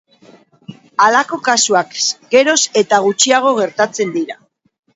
Halako kasuak geroz eta gutxiago gertatzen dira.